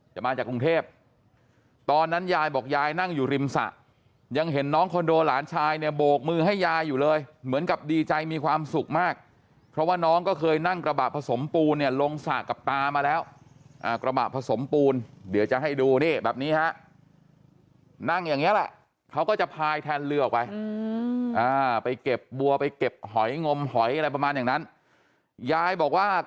มาจากกรุงเทพตอนนั้นยายบอกยายนั่งอยู่ริมสระยังเห็นน้องคอนโดหลานชายเนี่ยโบกมือให้ยายอยู่เลยเหมือนกับดีใจมีความสุขมากเพราะว่าน้องก็เคยนั่งกระบะผสมปูนเนี่ยลงสระกับตามาแล้วกระบะผสมปูนเดี๋ยวจะให้ดูนี่แบบนี้ฮะนั่งอย่างเงี้แหละเขาก็จะพายแทนเรือออกไปไปเก็บบัวไปเก็บหอยงมหอยอะไรประมาณอย่างนั้นยายบอกว่า